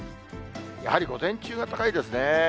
やはり午前中が高いですね。